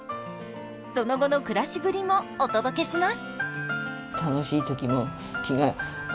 その後の暮らしぶりもお届けします。